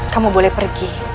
kamu boleh pergi